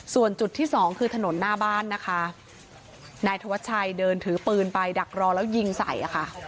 ส่วนจุดที่สองคือถนนหน้าบ้านนะคะนายธวัชชัยเดินถือปืนไปดักรอแล้วยิงใส่อ่ะค่ะ